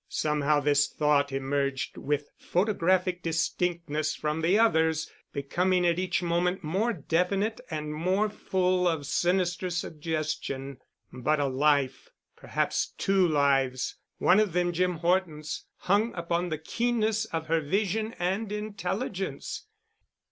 Somehow this thought emerged with photographic distinctness from the others, becoming at each moment more definite and more full of sinister suggestion. But a life, perhaps two lives, one of them Jim Horton's, hung upon the keenness of her vision and intelligence.